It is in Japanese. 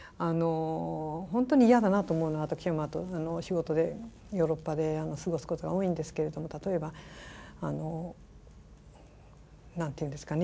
本当に嫌だなと思うのは私はお仕事でヨーロッパで過ごすことが多いんですけれども例えば何て言うんですかね